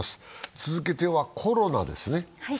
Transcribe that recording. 続けてはコロナですね。